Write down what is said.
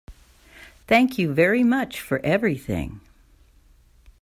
Thank you very much for everything.